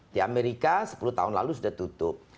di amerika sepuluh tahun lalu sudah tutup